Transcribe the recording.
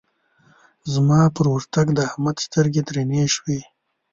زما پر ورتګ د احمد سترګې درنې شوې.